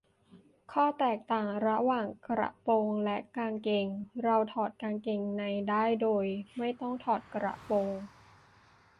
ข้อแตกต่างระหว่างกระโปรงและกางเกง : เราถอดกางเกงในได้โดยไม่ต้องถอดกระโปรง